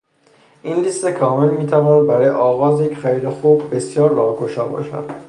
این لیست کامل می تواند برای آغاز یک خرید خوب، بسیار راهگشا باشد.